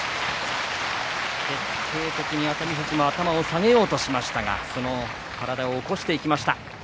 徹底的に熱海富士の頭を下げようとしましたが、その体を起こしていきました。